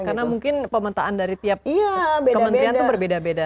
karena mungkin pemetaan dari tiap kementerian itu berbeda beda